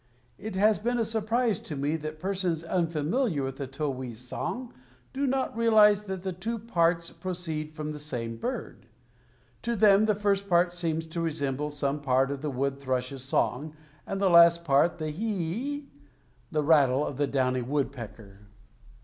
It has been a surprise to me that persons unfamiliar with the towhee's song do not realize that the two parts proceed from the same bird. To them the first part seems to resemble some part of the wood thrush's song and the last part the he e e e the rattle of downy woodpecker.